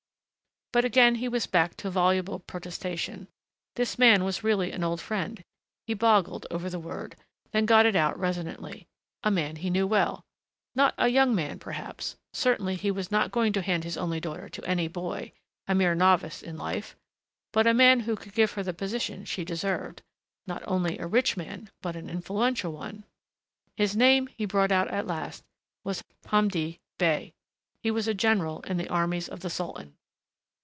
But again he was back to voluble protestation. This man was really an old friend. He boggled over the word, then got it out resonantly. A man he knew well. Not a young man, perhaps certainly he was not going to hand his only daughter to any boy, a mere novice in life! but a man who could give her the position she deserved. Not only a rich man, but an influential one. His name, he brought out at last, was Hamdi Bey. He was a general in the armies of the sultan.